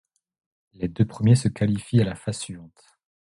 Les deux premiers se qualifient à la phase suivante.